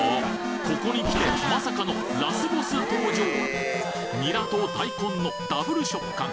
ここにきてまさかのニラと大根のダブル食感